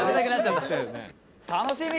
「楽しみ！」